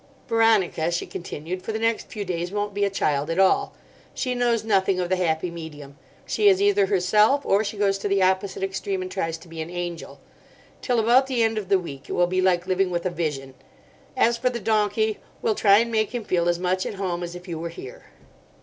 "Veronica," she continued, "for the next few days won't be a child at all. She knows nothing of the happy medium. She is either herself or she goes to the opposite extreme, and tries to be an angel. Till about the end of the week it will be like living with a vision. As for the donkey, we'll try and make him feel as much at home as if you were here."